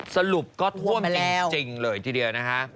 สรุปก็ท่วมจริงเลยทีเดียวนะคะ